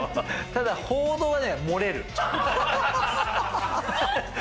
ただ報道は漏れる。